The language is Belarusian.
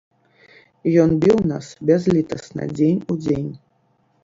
Ён біў нас бязлітасна дзень у дзень.